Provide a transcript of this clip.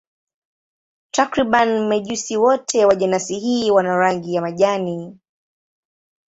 Takriban mijusi wote wa jenasi hii wana rangi ya majani.